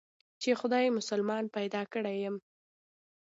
چې خداى مسلمان پيدا کړى يم.